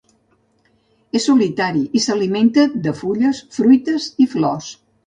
És solitari i s'alimenta de fulles, fruites i flors.